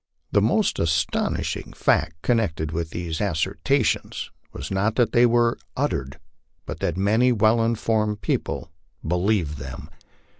The most astonishing fact connected with these assertions was not that they were uttered, but that many well informed people believed them.